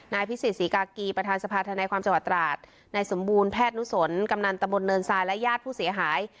พิสิทธิศรีกากีประธานสภาธนาความจังหวัดตราดนายสมบูรณแพทย์นุสนกำนันตะบนเนินทรายและญาติผู้เสียหาย